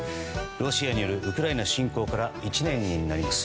ロシアによるウクライナ侵攻から１年になります。